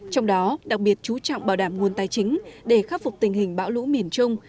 trong đó đặc biệt chú trọng bảo đảm nguồn tài chính để khắc phục tình hình bão lũ miền trung